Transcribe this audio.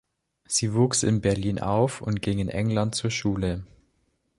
Sie wuchs in Berlin auf und ging in England zur Schule.